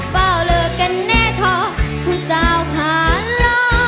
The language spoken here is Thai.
เป้าเลิกกันเน่ท้อผู้สาวขาดรอ